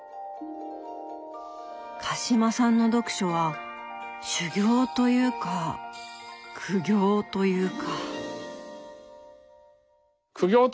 鹿島さんの読書は修行というか苦行というか。